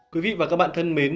quý vị và các bạn thân mến